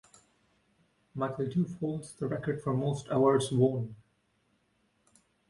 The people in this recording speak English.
Michel Diouf holds the record for most awards won.